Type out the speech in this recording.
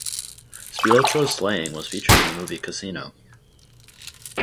Spilotro's slaying was featured in the movie "Casino".